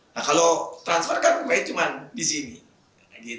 nah kalau transfer kan baik cuma di sini